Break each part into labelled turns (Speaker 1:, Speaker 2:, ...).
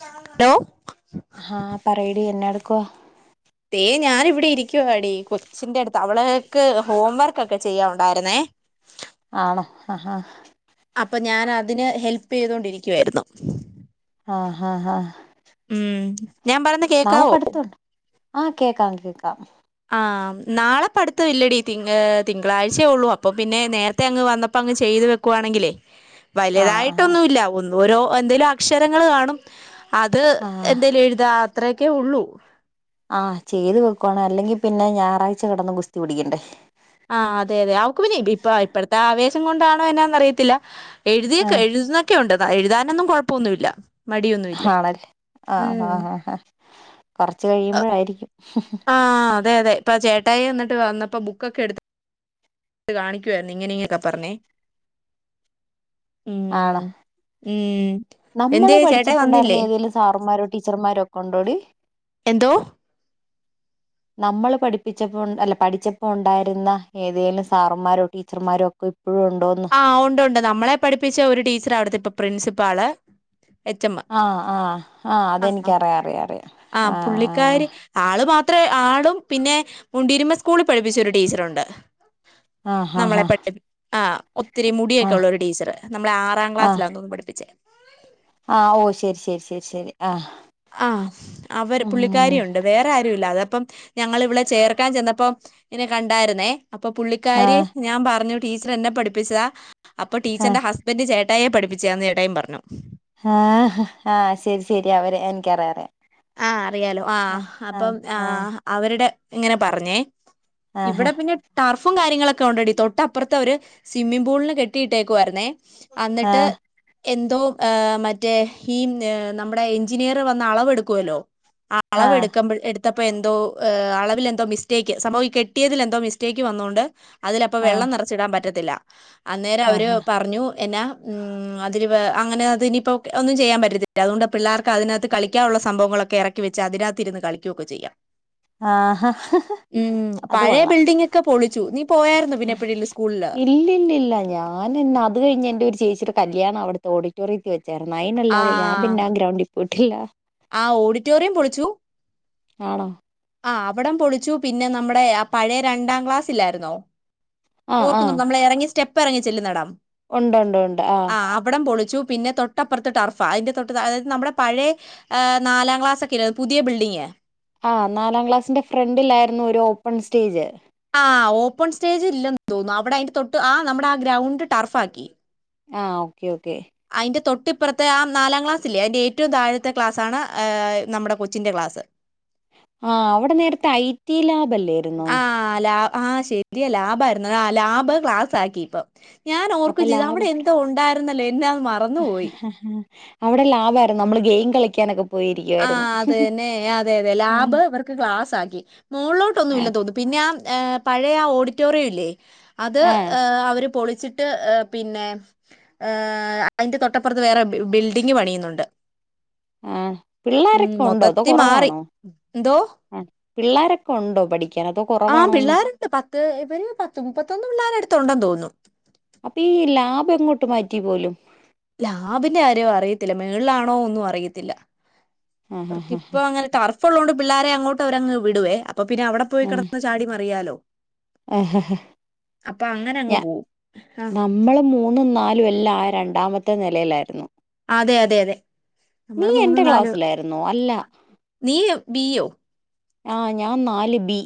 Speaker 1: Hello
Speaker 2: ഹാ പറയടീ എന്നാടു ക്കുവ
Speaker 1: ദേ ഞാനിവിടെ ഇരിക്കുവാടി കൊച്ചിന്റെ അടുത്ത് അവള്ക്ക് ഹോം വർക്കൊക്കെ ചെയ്യാനുണ്ടായിരുന്നേ
Speaker 2: ആണോ ഹഹ
Speaker 1: അപ്പൊ ഞാൻ അതിന് ഹെൽപ് ചെയ്തൊണ്ടിരിക്കുവായിരുന്നു.
Speaker 2: ആഹ് ഹഹ
Speaker 1: ഞാൻ പറെന്ന കേക്കാവോ
Speaker 2: ആഹ് കേക്കാം കേക്കാം
Speaker 1: ആഹ് നാളെ പഠ്ത്തം ഇല്ലടി തി തിങ്കളാഴ്ചയേ ഒള്ളൂ അപ്പം പിന്നെ നേര്ത്തെ അങ്ങ് വന്നപ്പോ അങ്ങ് ചെയ്തു വെക്കുവാണെങ്കിലേ..
Speaker 2: ആ ആ
Speaker 1: വലുതായിട്ടൊന്നും ഇല്ല ഒന്ന്.. ഓരോ എന്തേലും അക്ഷരങ്ങള് കാണും.. അത്
Speaker 2: ആ
Speaker 1: എന്തെലും എഴുതാ അത്രയ്. ക്കെ ഉള്ളു.
Speaker 2: ആഹ് ചെയ്തു വെക്കുവാണ് അല്ലെങ്കി പിന്നെ ഞായറാഴ്ച കെടന്ന് ഗുസ്തി പിടിക്കണ്ടേ.
Speaker 1: ആഹ് അതെ അതെ അവക്ക് പിന്നെ ഇപ്പൊ ഇപ്പഴത്തെ ആവേശം കൊണ്ടാണ് എന്നാന്ന് അറിയത്തില്ല. എഴുതി
Speaker 2: ആ
Speaker 1: അക്കെ എഴുതുന്നൊക്കെ ഉണ്ട്. ആ എഴുതാനൊന്നും കൊഴപ്പന്നുല്ല.
Speaker 2: ഹാണല്ലേ ആഹ് ആ ആഹ് ഹാ കൊറച്ച് കഴിയുമ്പഴായിരിക്കും.
Speaker 1: ആഹ് അതെ അതെ ഇപ്പ ചേട്ടായി വന്നിട്ട് വന്നപ്പോ ബുക്കൊക്കെ എടുത്ത് കാണിക്കുവായിരുന്നു ഇങ്ങനെ ഇങ്ങൊക്കെ പറഞ്ഞേ. ഉം ഉം
Speaker 2: നമ്മള്
Speaker 1: എന്ത്യേ ചേട്ടായി വന്നില്ലേ
Speaker 2: പഠിച്ചപ്പുണ്ടായിരുന്ന ഏതേലും സാറുമാരു ടീച്ചർമാരൊക്കെണ്ടോടി
Speaker 1: എന്തോ
Speaker 2: നമ്മള് പഠിപ്പിച്ചപ്പോ ഉണ് അല്ല പഠിച്ചപ്പോ ഉണ്ടായിരുന്ന ഏതേങ്കിലും സാറന്മാരോ ടീച്ചർമാരോ ഒക്കെ ഇപ്
Speaker 1: ആ ഉണ്ട് ഉണ്ട് നമ്മളെ പഠിപ്പിച്ച ഒരു ടീച്ചറാ അവിടുത്തെ ഇപ്പൊ പ്രിൻസിപ്പാള് എച്ച് എം
Speaker 2: ആ ആ ആ
Speaker 1: ആഹ്
Speaker 2: അതെനിക്കറിയാം അറിയാം അറിയാം ആ ആ
Speaker 1: അത്ര ആളും പിന്നെ മുണ്ടിരുമ സ്കൂളിൽ പഠിപ്പിച്ച ഒരു ടീച്ചറുണ്ട്
Speaker 2: ആ ഹാ ഹാ
Speaker 1: നമ്മളെ പഠിപ്പ് ആ ഒത്തിരി
Speaker 2: ആഹ്
Speaker 1: മുടിയൊക്കെയുള്ള ഒരു ടീച്ചറ് നമ്മെ ആറാം ക്ലാസിലാ തോന്നുന്ന് പഠിപ്പിച്ചേ.
Speaker 2: ആ ഓ ശരി ശരി ശരി ശരി ആഹ്
Speaker 1: ആ. അവര്
Speaker 2: ഉം
Speaker 1: പുള്ളിക്കാരി ഉണ്ട്. വേറെ ആരും ഇല്ല. അതാപ്പം ഞങ്ങൾ ഇവളെ ചേർക്കാൻ ചെന്നപ്പം ഇങ്ന്നെ കണ്ടായിരുന്നേ. അപ്പൊ പുള്ളിക്കാരി
Speaker 2: ആഹ്
Speaker 1: ഞാൻ പറഞ്ഞ് ടീച്ചർ എന്നെ പഠിപ്പിച്ചതാ അപ്പൊ
Speaker 2: ആഹ്
Speaker 1: ടീച്ചറിന്റെ ഹസ്ബൻഡ് ചേ ട്ടായേ പഠിപ്പിച്ചതാന്ന് ചേട്ടായിം പറഞ്ഞു.
Speaker 2: ഹാ ഹ ഹാ ശരി ശരി അവര്. എനിക്കറിയ
Speaker 1: ആഹ് അറിയാലോ ആഹ് അപ്പം ആഹ് അവര്ടെ ഇങ്ങനെ പറഞ്ഞേ
Speaker 2: ആഹ്
Speaker 1: ഇവിടെ പിന്നെ ടർ ഫും കാര്യങ്ങളൊക്കെ ഉണ്ടെടീ തൊട്ടപ്പറത്തെ ഒരു സ്വിമ്മിംഗ് പൂളിന് കെട്ടിയിട്ടേക്കുവാര്ന്നേ അന്നിട്ട്
Speaker 2: ആഹ്
Speaker 1: എന്തോ മറ്റേ ഈ നമ്മടെ ഇഞ്ചിനീയർ വന്ന് അളവെടുക് കോലോ അളവ്
Speaker 2: ആഹ്
Speaker 1: എടുക്കുമ്പോഴ് എടു അപ്പൊ എന്തോ അളവിൽ എന്തോ മിസ്റ്റേക്ക് സംഭവം ഈ കെട്ടിയതിൽ എന്തോ മിസ്റ്റേക്ക് വന്നോണ്ട് - അതിലപ്പോ
Speaker 2: ആഹ്
Speaker 1: വെള്ളം നെറച്ചിടാൻ പറ്റത്തില്ല [inaudible] അന്നേരം അവര്
Speaker 2: ആഹ് ആഹ്
Speaker 1: പറഞ്ഞു എന്നാ അതില് അങ്ങനെ അതിനിപ്പോൾ ഒന്നും ചെയ്യാൻ പറ്റത്തില്ല അതുകൊണ്ട് പിള്ളേർക്ക് അതിനകത്ത് കളിക്കാനുള്ള സ്‌ സംഭവങ്ങളൊക്കെ എറക്കി വെച്ച് അതിനകത്തിരുന്ന് കളിക്കുയൊക്കെ ചെയ്യാം
Speaker 2: ആ
Speaker 1: ഉം
Speaker 2: അത്
Speaker 1: പഴയ
Speaker 2: കൊള്ളാം
Speaker 1: ബിൽഡിംഗ് ഒക്കെ പൊളിച്ചു നീ പോയായിരുന്നു പിന്നെ എപ്പോഴെങ്കിലും സ്കൂളിൽ
Speaker 2: ഇല്ലില്ലില്ല ഞാനിന്ന് അത് കഴിഞ് എന്റെ ഒരു ചേച്ചി കല്യാണം അവിടുത്തെ ഓഡിറ്റോറിയത്തിൽ വെച്ചു
Speaker 1: ആ
Speaker 2: ചേറന്നായിന്നാല്ലാതെ ഞാൻ പിന്നെ ആ ഗ്രൗണ്ടിൽ- വിടില്ല
Speaker 1: ആ ഓഡിറ്റോറിയം പൊളിച്ചു
Speaker 2: ആണോ
Speaker 1: ആ അവിടം പൊളിച്ചു പിന്നെ നമ്മുടെ ആ പഴയ രണ്ടാം ക്ലാസ്സില്ലായിരുന്നോ ഓർക്കുന്നുണ്ട് നമ്മളിറങ്ങി സ്റ്റെ പ്പിറങ്ങി ചെല്ലിന്നിടം
Speaker 2: ഒണ്ട്ണ്ട് ഒണ്ട് ആ-
Speaker 1: അയ്യോ പിന്നെ തൊട്ടപ്പുറത്ത് ടർഫാ അതിന്റെ തൊട്ട് അതായത് നമ്മുടെ പഴേ നാലാം ക്ലാസ്സൊക്കെ ഇല്ലേ അത് പുതിയ ബിൽഡിംങ്‌
Speaker 2: ആഹ് നാലാം ക്ലാസ്സിന്റെ ഫ്രണ്ടിലായിരുന്നു ഒരു ഓപ്പൺ സ്റ്റേജ്.
Speaker 1: ആഹ് ഓപ്പൺ സ്റ്റേജ് ഇല്ലെന്ന് തോന്നുന്നു അവിടെ അതിറെ തൊട്ട് ആ നമ്മടെ ആ ഗ്രൗണ്ട് ടർഫാക്കി
Speaker 2: ആഹ് ഓക്കെ ഓക്കെ
Speaker 1: ന്റെ തൊട്ട് ഇപ്പറത്തെ ആ നാലാം ക്ലാസ് ഇല്ലേ അതിന്റെ ഏറ്റ്വം താഴത്തെ ക്ലാസാണ് നമ്മടെ കൊച്ചിന്റെ ക്ലാസ്
Speaker 2: ആഹ് അവിടെ നേര്ത്തെ ഐടി ലാബ് അല്ലായിരുന്നോ
Speaker 1: ആ ലാ ആഹ് ശെരിയ ലാബ് ആയിരുന്നു ആ ലാബ് ക്ലാസ് ആക്കി ഇപ്പൊ ഞാൻ
Speaker 2: അപ്പൊ
Speaker 1: ഓർക്കും ചെയ്തു
Speaker 2: ലാബ്
Speaker 1: അവിടെ എന്തോ ഉണ്ടായി ഇന്നല്ലേ പിന്നെ അത് മറന്നു പോയി
Speaker 2: അവിടെ ലാബായിര്ന്നു നമ്മള് ഗെയിം കളിക്കാനൊക്കെ പോയിരിക്കുവായിരുന്നു
Speaker 1: ആഹ് അതെന്നെ അതെന്നെ ലാബ് ഇവർക്ക് ക്ലാസ്സ്‌ ആക്കി മോളിലോട്ടൊന്നും
Speaker 2: ആ
Speaker 1: ഇല്ല തോന്നും പിന്നെ ആഹ് പഴേ ഓഡിറ്റോറിയ്വല്ലേ അത്
Speaker 2: ആ
Speaker 1: അവര് പൊളി ച്ചിട്ട് പിന്നെ ഹ് അയ്ന്റെ തൊട്ടപ്പറത്ത് വേറെ ബിൽഡിങ് പണിയുന്നുണ്ട്
Speaker 2: ആഹ്
Speaker 1: ഉം,
Speaker 2: പിള്ളോരൊക്കെ ഉണ്ടോ അതോ
Speaker 1: മൊത്തത്തിൽ മാറി
Speaker 2: കൊറവാണോ
Speaker 1: എന്തോ
Speaker 2: ആഹ് പിള്ളാരൊക്കെ ഉണ്ടോ പഠിക്ക്
Speaker 1: ആഹ് പിള്ളാര്ണ്ട് പത്ത് ഇവര് പത്ത് മുപ്പത്തൊന്ന് പിള്ളാരട്ത്ത് ഉണ്ടെന്ന് തോന്നുന്നു.
Speaker 2: ബെങ്ങോട്ട് മാറ്റി പോലും
Speaker 1: ലാബിന്റെ കാര്യോ അറിയത്തില്ല മേൾ ളാണോ ഒന്നും അറിയത്തില്ല.
Speaker 2: ആ ആ
Speaker 1: എറക്കിപ്പൊ അങ്ങനെ ടെറഫ്ള്ളോണ്ട് പിള്ളാരെ അങ്ങോട്ട് അവരങ് വിടു വേ. അപ്പൊ പിന്നെ അവടെ പോയി
Speaker 2: ആ
Speaker 1: കെടന്ന ചാടി മറിയാലോ. അപ്പൊ അങ്ങനെ അങ്ങ്
Speaker 2: ഞ
Speaker 1: പോവും ആ,
Speaker 2: നമ്മള് മൂന്നും നാലും എല്ലായ രണ്ടാമത്തെ നെ ലെലായിരുന്നു.
Speaker 1: അതെ യതെ യതെ നമ്മള് മൂന്ന്
Speaker 2: എന്റെ
Speaker 1: നാല്
Speaker 2: ക്ലാസ്സിലായിരുന്നോ അല്ല
Speaker 1: നീ ബീയോ?
Speaker 2: ആഹ് ഞാൻ നാല് ബി.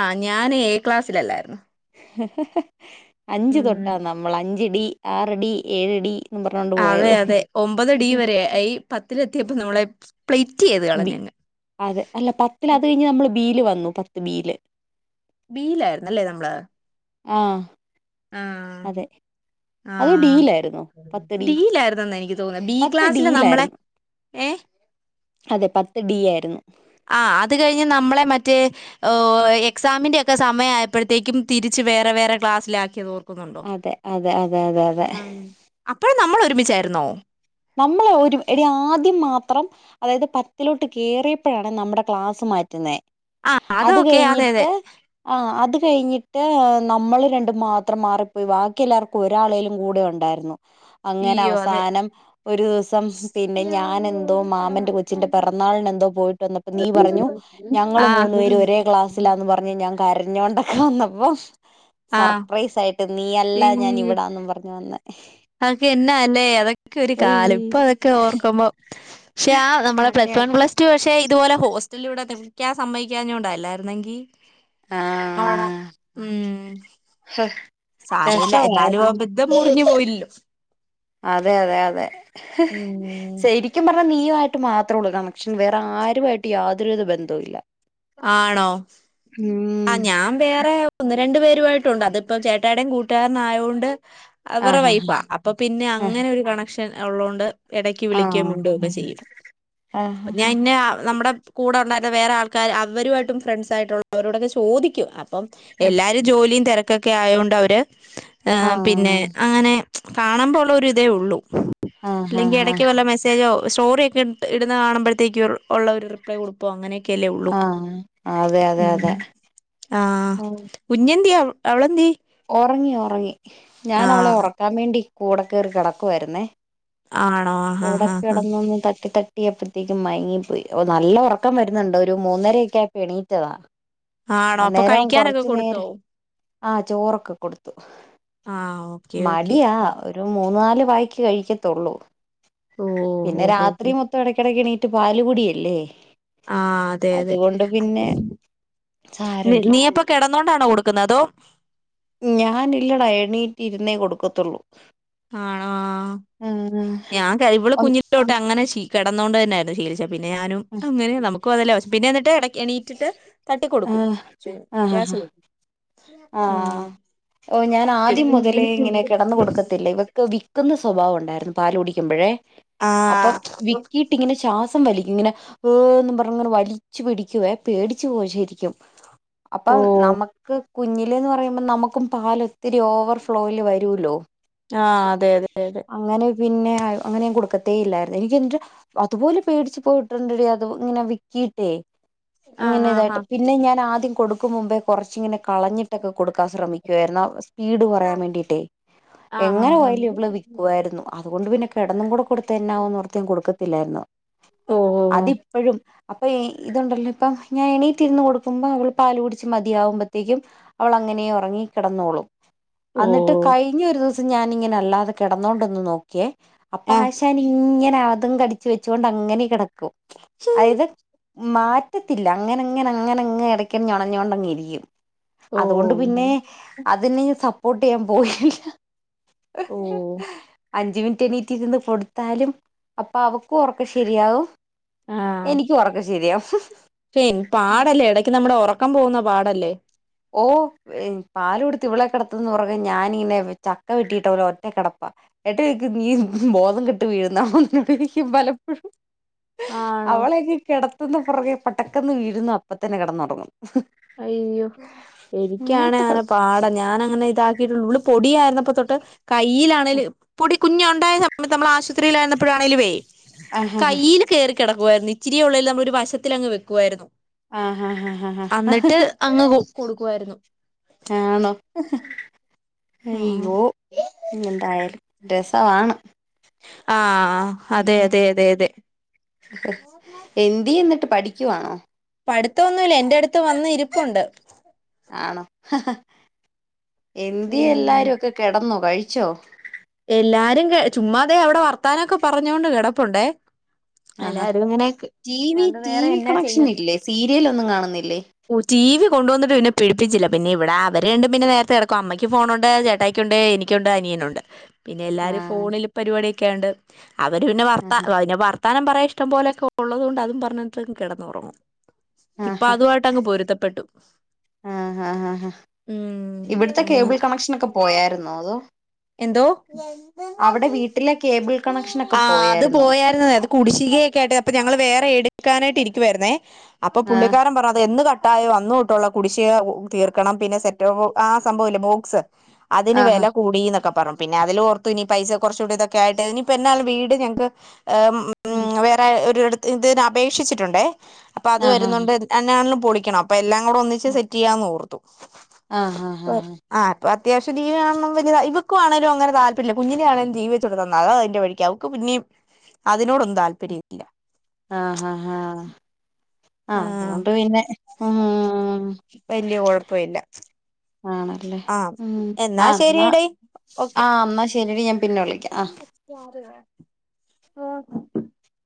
Speaker 1: ആഹ് ഞാനേ ക്ലാസ്സിലല്ലായിരുന്നു.
Speaker 2: അഞ്ച്
Speaker 1: ഉം
Speaker 2: തൊട്ടാ നമ്മള് അഞ്ച് ഡി, ആറ് ഡി, ഏഴ് ഡി എന്നും പറഞ്ഞോണ്ട്
Speaker 1: അതെ
Speaker 2: പോയത്
Speaker 1: യതെ ഒമ്പത് ഡി വരെ ഈ പത്തിലെത്തിയപ്പോ നമ്മളെ സ്പ്ലി
Speaker 2: ബി അതെ അല്ല പത്തിലത് കഴിഞ്ഞ നമ്മള് ബീല് വ ഇന്നു പത്ത് ബീയില്
Speaker 1: ബീലായിരുന്നല്ലേ നമ്മള്?
Speaker 2: ആഹ്.
Speaker 1: ആഹ്
Speaker 2: അതെ അതോ
Speaker 1: ആഹ്
Speaker 2: ഡിയിലായിരുന്നോ പത്ത്
Speaker 1: ഡി യിലായിരുന്നെന്ന് എനിക്ക് തോന്ന്ന്നെ ബി
Speaker 2: പത്ത്
Speaker 1: ക്ലാസ്സില് നമ്മളെ
Speaker 2: ഡിയിലായിരുന്നു
Speaker 1: ഏ
Speaker 2: ത്ത് ഡിയായിരുന്നു.
Speaker 1: ആഹ് അത് കഴിഞ്ഞ് നമ്മളെ മറ്റേ ഓ എക്സാമിന്റെ ഒക്കെ സമയായപ്പഴത്തേക്കും തിരിച്ച് വേറെ വേറെ ക്ലാസ്സിലാക്കിയതോർ
Speaker 2: അതെ, അതെ, അതെ, അതെ, അതെ.
Speaker 1: ആഹ് അപ്പഴും നമ്മൾ ഒരുമിച്ചായിരുന്നോ?
Speaker 2: നമ്മള് ഒരു എടി ആദ്യം മാത്രം അതായത് പത്തിലോട്ട് കേറിയപ്പഴാണ് നമ്മടെ ക്ലാസ് മാറ്റുന്നേ
Speaker 1: ആഹ്
Speaker 2: അത്
Speaker 1: അതൊക്കെ അതെ അതെ
Speaker 2: കഴിഞ്ഞിട്ട് ആഹ് അത് കഴിഞ്ഞിട്ട് നമ്മൾ രണ്ടും മാത്രം മാറിപ്പോയി ബാക്കി എല്ലാവർക്കും ഒരാളെലും കൂടെ ഉണ്ടായിരുന്നു അങ്ങനെ
Speaker 1: അയ്യോ അതെ
Speaker 2: അവസാനം ഒരു ദിവസം പിന്നെ ഞാനെന്തോ മാമന്റെ കൊച്ചിന്റെ പെറന്നാളിന് എന്തോ പോയിട്ട് വന്നപ്പോ നീ പറഞ്ഞു ഞങ്ങൾ മൂന്ന്
Speaker 1: ആഹ്
Speaker 2: പേരും ഒരേ ക്ലാസ്സിലാന്ന് പറഞ്ഞ് ഞാൻ കര രഞ്ഞോണ്ടൊക്കെ വന്നപ്പോ
Speaker 1: ആഹ്
Speaker 2: സർപ്രൈസ് ആയിട്ട് നീയല്ല ഞാൻ ഇവിടാന്നും പറഞ്ഞു വന്നെ
Speaker 1: അതെക്കെ എന്നാ അല്ലേ അതെ ക്കെ ഒരു
Speaker 2: ഉയ്
Speaker 1: കാലം ഇപ്പൊ അതൊക്കെ ഓർക്കുമ്പോ ക്ഷെ ആ നമ്മളെ
Speaker 2: അതെ
Speaker 1: പ്ലസ്
Speaker 2: അതെ
Speaker 1: വൺ പ്ലസ്ടു പക്ഷേ ഇതുപോലെ ഹോസ്റ്റല് ഇവിടെ [unintelligible] സമ്മയിക്കാഞ്ഞോണ്ട അല്ലായിരുന്നെങ്കിൽ ആഹ് ടാ ഉം സാരോല്ല എന്നാലും ആ
Speaker 2: രസമായിരുന്നു
Speaker 1: ബന്ധം മുറിഞ്ഞ് പോയി
Speaker 2: അതെ അതെ അതെ
Speaker 1: ഉം
Speaker 2: ശരിക്കും പറഞ്ഞ നീ നീയുവായിട്ട് മാത്രള്ളൂ കണക്ഷൻ വേറെ ആരുവായിട്ട് യാതൊരു വിധ ബന്ധോ ഇല്ല
Speaker 1: ആണോ
Speaker 2: ഉം
Speaker 1: ആഹ് ഞാൻ വേറെ രണ്ടു പേരുവായിട്ടുണ്ട് അതിപ്പം ചേട്ടായിടേം കൂട്ടുകാരനയൊണ്ട് അവരെ
Speaker 2: ആഹ്
Speaker 1: വൈഫാ അപ്പൊ പിന്നെ
Speaker 2: ആഹ് ആഹ്
Speaker 1: അങ്ങനെ ഒരു കണക്ഷൻ ക്ഷൻ ഉള്ളോണ്ട് ഇടയ്ക്ക് വിളിക്കേം മിണ്ട ഒക്കെ ചെയ്യും
Speaker 2: ആഹ് ആഹ്
Speaker 1: ഞാൻ ഇന്ന നമ്മടെ കൂടെ ഉള്ളയിരുന്ന വേറെ ആൾ ക്കാർ അവരുമായിട്ടും ഫ്രണ്ട്സായിട്ടുള്ളവരോടൊക്കെ ചോദിക്കും അ പ്പം എല്ലാരും ജോലിയും തിര ക്ക്‌ ഒക്കെ ആയൊണ്ട് അവര് ഏഹ് പിന്നെ
Speaker 2: ആഹ്
Speaker 1: അങ്ങനെ കാണുമ്പോ ഉള്ള ഒരു ഇതേ ഉള്ളൂ ഇല്ലെങ്കി
Speaker 2: ആഹ്
Speaker 1: ഇടക്ക്
Speaker 2: ആഹ്
Speaker 1: വല്ല മെസ്സേജോ സ്റ്റോറി ഒക്കെ ഇട് ഇടുന്ന കാണുമ്പോഴത്തേക്ക് ഒരു ഉള്ള ഒരു റിപ്ലൈ കൊടുപ്പോ അങ്ങനെയൊക്കെ യല്ലേ ഉള്ളൂ
Speaker 2: ആഹ് അതെ അതെ
Speaker 1: ഉം
Speaker 2: അതെ
Speaker 1: ആഹ് കുഞ്ഞെന്തിയെ അവളെന്തിയെ
Speaker 2: ഒറങ്ങി ഒറങ്ങി ഞാൻ അവളെ
Speaker 1: ആഹ്
Speaker 2: ഒറക്കാൻ വേണ്ടി കൂടെ കേറി കെടക്കുവായിരുന്നേ
Speaker 1: ആണോ ഹാ ഹാ ഹ്
Speaker 2: ട്ടിയപ്പത്തേക്കും മയങ്ങിപ്പോയി ഓഹ് നല്ലൊറക്കം
Speaker 1: ആഹ് ആണോ അപ്പൊ
Speaker 2: അന്നേരം
Speaker 1: കഴിക്കാനൊക്കെ
Speaker 2: കൊറച്ചു നേര
Speaker 1: കൊടുത്തോ?
Speaker 2: ആഹ് ചോറൊക്കെ കൊടുത്തു.
Speaker 1: ആഹ് ഓക്കെ ഓക്കെ
Speaker 2: മടിയാ ഒ ഒരു മൂന്ന് നാല് വായ്ക്ക് കഴിക്കത്തൊള്ളൂ.
Speaker 1: ഓഹ് ഹോ
Speaker 2: പിന്നെ
Speaker 1: ഹോ ഹോ
Speaker 2: രാത്രി മൊത്തം എടക്കിടയ്ക്ക് എണീ ട്ട് പാലുകുടിയല്ലേ
Speaker 1: ആഹ്, അതെ അതെ ന്ന്
Speaker 2: സാരമില്ല
Speaker 1: നീയപ്പോ കെടന്നോണ്ടാണോ കൊടുക്കുന്നേ അതോ
Speaker 2: റ്റ് ഇരുന്നേ കൊടുക്കത്തൊള്ളൂ.
Speaker 1: ആണോ ആഹ് ഞാൻ കെ ഇവള്
Speaker 2: ഒന്ന്
Speaker 1: കുഞ്ഞിലോട്ട് അങ്ങനെ ശീ കെടന്നോണ്ട് തന്നെയായായിര് ശീലിച്ചേ. പിന്നെ ഞാനും അങ്ങനെ നമുക്ക് അതല്ലെ വശം. പിന്നെ എന്നിട്ട് എടയ് എണീറ്റ്ട്ട് തട്ടിക്കൊടുക്കും
Speaker 2: ആഹ് ആഹ്
Speaker 1: ഗ്യാസ് ഉം.
Speaker 2: ആഹ് ഓ ഞാൻ
Speaker 1: [unintelligible]
Speaker 2: ക്ക് വിക്ക്ന്ന സ്വഭാവം ഉണ്ടായിരുന്ന് പാല് കുടിക്കുമ്പഴേ. അപ്പം
Speaker 1: ആഹ്
Speaker 2: വിക്കീട്ട് ഇങ്ങനെ ശ്വാസം വലി ഇങ്ങനെ ഏന്ന് പറഞ്ഞ്ങ്ങനെ വലിച്ചു പിടിക്കുവേ പേടിച്ച് പോവും ശരി ക്കും അപ്പ
Speaker 1: ഓഹ്
Speaker 2: നമക്ക് കുഞ്ഞില്ന്ന് പറയുമ്പോ നമ്മക്കും പാല് ഒത്തിരി ഓവർ ഫ്ലോയില് വരൂല്ലോ.
Speaker 1: ആഹ് അതെ തെ തെ.
Speaker 2: അങ്ങനെ പിന്നെ അങ്ങനെയും കൊടുക്കത്തേ ഇല്ലായിര്ന്നു. എനിക്ക് ന്നിട്ട് അതുപോലെ പേടിച്ച് പോയിട്ട്ണ്ടെ ഡീ അത് ഇങ്ങനെ വിക്കീട്ടേ.
Speaker 1: ആഹ് ആഹ് ആഹ്.
Speaker 2: പിന്നെ ഞാൻ ആദ്യ കൊട്ക്കും മുമ്പേ കൊറച്ചിങ്ങനെ കളഞ്ഞ് ക്കെ കൊട്ക്കാൻ ശ്രമിക്ക്വായിരുന്നു. അ സ്പീഡ് കൊറയാൻ വേണ്ടിട്ടേ
Speaker 1: ആഹ്
Speaker 2: എങ്ങനെ
Speaker 1: ആഹ്
Speaker 2: പോയാലും ഇവള്
Speaker 1: ആഹ്
Speaker 2: വിക്കുവായ്രുന്നു. അതുകൊണ്ട് പിന്നെ കെടന്നും കൂടെ കൊടുത്താ എന്നാവൊന്നോർത്ത് ഞാൻ കൊടുക്കത്തില്ലായിര്ന്നു.
Speaker 1: ഓഹ്
Speaker 2: അതിപ്പഴും അപ്പം ഇ ഇതുണ്ടല്ലോ ഇപ്പം ഞേനി തിന്ന് കൊടുക്കുമ്പ അവള് പാല് കുടിച്ച് മതിയാവുമ്പത്തേക്കും അവള് അങ്ങനേ ഒറങ്ങി കെടന്നോളും അന്നിട്ട്
Speaker 1: ഓഹ്
Speaker 2: കഴിഞ്ഞ ഒരു ദിസം ഞാനിങ്ങനെ അല്ലാതെ കെടന്നോണ്ടൊന്ന് നോക്ക്യെ അപ്പ
Speaker 1: ആഹ്
Speaker 2: ആശാൻ ഇങ്ങനെ ആതും കടിച്ചു വെച്ചോണ്ട് അങ്ങനെ കെടക്കും അയിത് മാറ്റത്തില്ല അങ്ങനെ ഇങ്ങനെ അങ്ങനെ ഇങ്ങ് എടയ്ക്ക് ഞൊണഞ്ഞോണ്ട് അങ്ങ് ഇരിക്ക്യും അതോണ്ട് പിന്നെ
Speaker 1: ഓഹ്
Speaker 2: അതിനെ സപ്പോർട്ട് ചെയ്യാൻ പോയില്ല
Speaker 1: ഓ
Speaker 2: അഞ്ച് മിനിറ്റ് എണീറ്റ് ഇരുന്ന് കൊടുത്താലും അപ്പൊ അവക്കും ഉറക്കം ശെരിയാവും എനിക്ക് ഉറക്കം ശരിയാവും ഹ്
Speaker 1: പെൻ പാടല്ലെ ഇടയ്ക്ക് നമ്മുടെ ഉറ ഉറക്കം പോകുന്ന പാടല്ലേ
Speaker 2: ഓ പാല് കൊടുത്ത് ഇവളെ കെടത്തന്ന് ഉറക്കം ഞാനിങ്ങനെ ചക്ക വെട്ടിട്ടപോലെ ഒറ്റ കിടപ്പാ എന്നിട്ട് നീ ബോധം കെട്ട് വീഴുന്നാണോന്ന് ചോദിക്കും പലപ്പോഴും
Speaker 1: ആണോ
Speaker 2: അവളെനി കെട പുറകെ പടക്കെന്ന് വീഴുന്നു അപ്പത്തന്നെ കിടന്നുടങ്ങുന്നു
Speaker 1: അയ്യോ എനിക്കാണേ അങ്ങനെ
Speaker 2: കുഴപ്പം
Speaker 1: പാട ഞാനങ്ങനെ ഇതാക്കിട്ടുള്ളൂ ഇവ പൊടി ആയിരുന്നപ്പം തൊട്ട് കയ്യിലാണേല് പൊടി കുഞ്ഞുണ്ടായത് നമ്മ ആശുത്രിയിലായിരുന്നപ്പോഴാണെലും വേ
Speaker 2: ആഹ്
Speaker 1: കയ്യിൽ കേറി കിടക്കുവായിരുന്നു ഇച്ചിരി ഉള്ളേലും നമ്മള് ഒരു വശത്തിലങ്ങ് വെക്കുവായിരുന്നു
Speaker 2: ആ ആ ആ
Speaker 1: അന്നിട്ട് അങ്ങ് കൊ കൊടുക്കുവായിരുന്നു
Speaker 2: ആണോ
Speaker 1: ആഹ്
Speaker 2: അയ്യോ എന്തായാലും രസവാണ്
Speaker 1: ആ
Speaker 2: ഉം എന്തിയെ എന്നിട്ട് പഠിക്കുവാണോ
Speaker 1: പഠിത്തം ഒന്നുഇല്ല എൻ്റെ അടുത്ത് വന്ന് ഇരിപ്പുണ്ട്
Speaker 2: ആണോ അ ഹ എന്തിയെ
Speaker 1: ഉം
Speaker 2: എല്ലാരും ഒക്കെ കെടന്നോ കഴി ച്ചോ
Speaker 1: എല്ലാരും ചുമ്മാതെ അവിടെ വർത്താനൊക്കെ പറഞ്ഞോണ്ട് കിടപ്പുണ്ടേ
Speaker 2: ആ ആ
Speaker 1: എല്ലാരും ഇങ്ങനെ
Speaker 2: ടി വി
Speaker 1: അല്ലാണ്ട്
Speaker 2: ടി
Speaker 1: വേറെ
Speaker 2: വി
Speaker 1: എന്നാ
Speaker 2: കണക്ഷൻ
Speaker 1: ചെയ്യാൻ
Speaker 2: ഇല്ലേ സീരിയൽ ഒന്നും കാണുന്നില്ലേ
Speaker 1: കൊണ്ടോന്നിട്ട് പിന്നെ പിടിപ്പിച്ചില്ല പിന്നെ ഇവിടെ അവരണ്ടും പിന്നെ നേരത്തേടക്കും അമ്മയ്ക്ക് ഫോണൊണ്ട് ചേട്ടായക്കൊണ്ട് എനിക്കൊണ്ട് അനിയനൊണ്ട് പിന്നെ
Speaker 2: ആ
Speaker 1: എല്ലാരും ഫോണില് പരിപാടി- ക്കെണ്ട് അവര് പിന്നെ ഭർത്ത
Speaker 2: ആഹ്
Speaker 1: പിന്നെ വ- താനം പറയ ഇഷ്ടം പോലൊക്കെ ഒള്ളതുകൊണ്ട് അതും പറഞ്ഞോടങ്ങ് കെടന്നൊറങ്ങും ഇപ്പൊ
Speaker 2: ആഹ്
Speaker 1: അതുവായിട്ടങ്ങ് പൊരുത്തപ്പെട്ടു
Speaker 2: ആഹ് ആഹ് ആഹ്
Speaker 1: ഉം
Speaker 2: ഇവിടുത്തെ കേബിൾ കണക്ഷൻ ഒക്കെ പോയായിരുന്നോ അതോ
Speaker 1: എന്തോ
Speaker 2: അവിടെ വീട്ടിലെ കേബിൾ കണക്ഷൻ ഒക്കെ
Speaker 1: ആഹ് അത്
Speaker 2: പോയായിരുന്നോ
Speaker 1: പോയാരുനന്നെ അത് കുടിശ്ശികെക്കായ്ട്ട് ഞങ്ങള് വേറെ എട്- ക്കാനായിട്ട് ഇരിക്കുവാരുന്നെ അപ്പൊ
Speaker 2: ആ
Speaker 1: പുള്ളിക്കാരൻ പറഞ്ഞ അത് എന്ന് ക- ട്ടായൊ അന്നോട്ടുള്ള കുടിശ്ശിക തീർക്കണം പിന്നെ സെറ്റോ ആഹ് സംഭവില്ലെ ബോക്സ് അതിന്
Speaker 2: ആഹാ
Speaker 1: വെല കൂടീന്ന് ക്കെ പറഞ്ഞു പിന്നെ അതില്ഓർത്തു ഇനി പൈസ കുറച്ചൂടെ ഇതക്കെയായിട്ട് ഇനിയിപ്പ എന്നാണെലു വീട് ഞക്ക്- ഉം
Speaker 2: ഉം
Speaker 1: വേറെ ഒരുട്- ഇതിന് അപേക്ഷിച്ചിട്ടുണ്ടേ അപ്പൊ അത്
Speaker 2: ആഹാ ആഹാ
Speaker 1: വരുന്നൊണ്ട് എന്നാണേലും പൊളിക്കണം അപ്പൊ എല്ലാം കൂടൊന്നിച്ച് സെറ്റെയ്യാന്നോർത്തു
Speaker 2: ആഹ് ഹ ഹ ഹ
Speaker 1: ഇപ്പ അത്യാശ്യം ടിവികാണണം വല്യതാ ഇത് - ക്കുവാണേലുങ്ങനെ താല്പര്യില്ല കുഞ്ഞിലെ ആണേലും ടിവെച്ചുകൊടുതന്ന അതാ അതിന്റെ വഴിക്ക് അവക്ക് പിന്നേം അതിനോടൊന്നും താല്പര്യില്ല
Speaker 2: ആഹ് ഹ ഹ
Speaker 1: ആഹ് വല്യ കൊഴപ്പവില്ല
Speaker 2: ആണല്ലെ ആഹ് ന്നാ
Speaker 1: ശരിയെടി
Speaker 2: ആഹ് അന്നാ ശെരിടി ഞ- പിന്നൊളിക്കാം
Speaker 1: [unintelligible] ഓഹ്